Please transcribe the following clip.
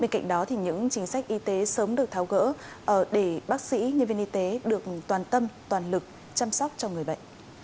bên cạnh đó những chính sách y tế sớm được tháo gỡ để bác sĩ nhân viên y tế được toàn tâm toàn lực chăm sóc cho người bệnh